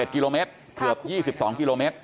๗กิโลเมตรเกือบ๒๒กิโลเมตร